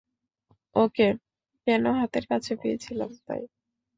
ওকে কেন হাতের কাছে পেয়েছিলাম তাই।